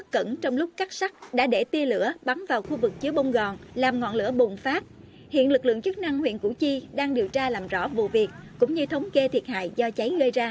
cẩn trong lúc cắt sắt đã để tia lửa bắn vào khu vực chứa bông gòn làm ngọn lửa bùng phát hiện lực lượng chức năng huyện củ chi đang điều tra làm rõ vụ việc cũng như thống kê thiệt hại do cháy gây ra